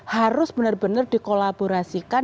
harus benar benar dikolaborasikan